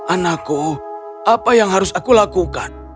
anakku apa yang harus aku lakukan